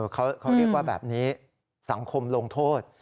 เขาเรียกว่าแบบนี้สังคมลงโทษ